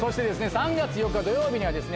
３月４日土曜日にはですね